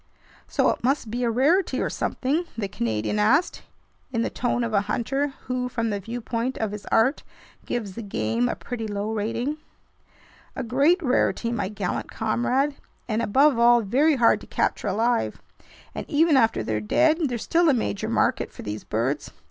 "So it must be a rarity or something?" the Canadian asked, in the tone of a hunter who, from the viewpoint of his art, gives the game a pretty low rating. "A great rarity, my gallant comrade, and above all very hard to capture alive. And even after they're dead, there's still a major market for these birds.